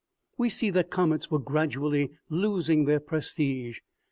We see that comets were gradually losing their prestige.